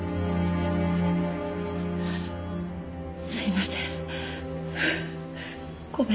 すいません。